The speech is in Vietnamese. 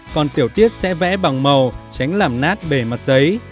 còn tiểu tiết sẽ vẽ bằng màu tránh làm nát bề mặt giấy